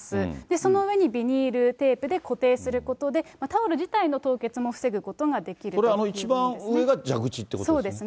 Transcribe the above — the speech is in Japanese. その上にビニールテープで固定することで、タオル自体の凍結も防ぐことができるということですね。